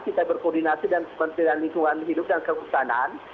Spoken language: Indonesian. kita berkoordinasi dengan kementerian lingkungan hidup dan kehutanan